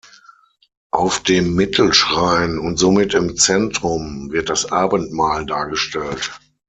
Auf dem Mittelschrein, und somit im Zentrum, wird das Abendmahl dargestellt.